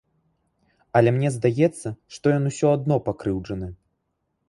Але мне здаецца, што ён усё адно пакрыўджаны.